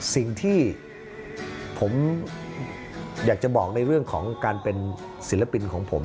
สิ่งที่ผมอยากจะบอกในเรื่องของการเป็นศิลปินของผม